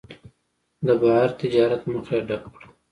د بهر تجارت مخه یې ډپ کړه.